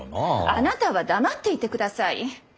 あなたは黙っていてください。